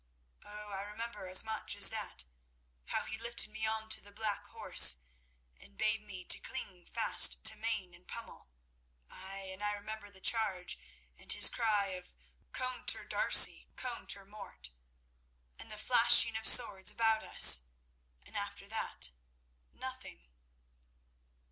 Oh, I remember as much as that—how he lifted me onto the black horse and bade me to cling fast to mane and pommel. Ay, and I remember the charge, and his cry of 'Contre D'Arcy, contre Mort!' and the flashing of swords about us, and after that—nothing."